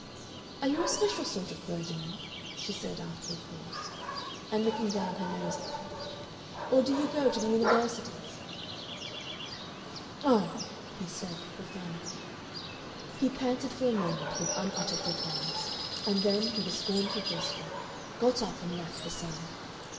"Are you a special sort of clergyman," she said, after a pause, and looking down her nose at him, "or do you go to the Universities?" "Oh!" he said, profoundly. He panted for a moment with unuttered replies, and then, with a scornful gesture, got up and left the cell.